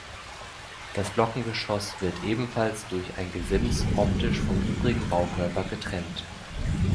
Das Glockengeschoss wird ebenfalls durch ein Gesims optisch vom übrigen Baukörper getrennt.